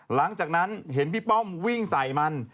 หลังจากนั้นเห็นพี่ป้อมวิ่งใส่มัน